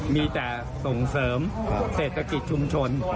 มีแต่ส่งเสริมเศรษฐกิจชุมชน